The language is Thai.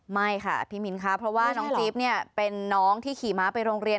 ไม่ค่ะพี่มิ้นค่ะเพราะว่าน้องจิ๊บเนี่ยเป็นน้องที่ขี่ม้าไปโรงเรียน